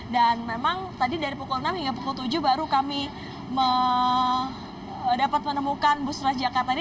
dan memang tadi dari pukul enam hingga pukul tujuh baru kami dapat menemukan bus transjakarta ini